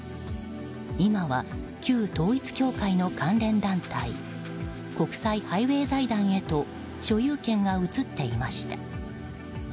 今は旧統一教会の関連団体国際ハイウェイ財団へと所有権が移っていました。